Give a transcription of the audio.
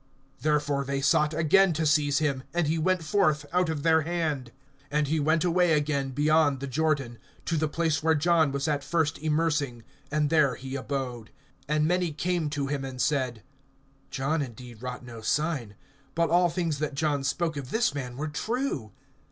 (39)Therefore they sought again to seize him; and he went forth, out of their hand. (40)And he went away again beyond the Jordan, to the place where John was at first immersing; and there he abode. (41)And many came to him, and said: John indeed wrought no sign; but all things that John spoke of this man were true.